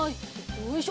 よいしょ。